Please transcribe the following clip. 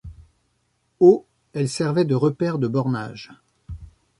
Au elle servait de repère de bornage.